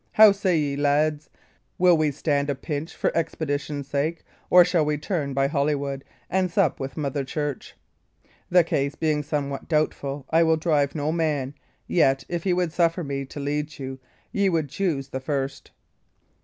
How say ye, lads? Will ye stand a pinch for expedition's sake, or shall we turn by Holywood and sup with Mother Church? The case being somewhat doubtful, I will drive no man; yet if ye would suffer me to lead you, ye would choose the first."